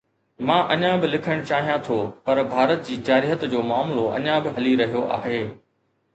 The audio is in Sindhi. مان اڃا به لکڻ چاهيان ٿو، پر ڀارت جي جارحيت جو معاملو اڃا به هلي رهيو آهي.